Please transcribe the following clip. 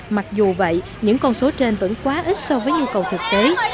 mặc dù vậy những con số trên vẫn quá ít so với nhu cầu thực tế